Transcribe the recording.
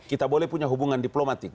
kita boleh punya hubungan diplomatik